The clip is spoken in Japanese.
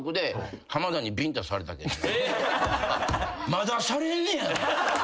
まだされんねや。